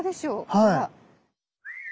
ほら。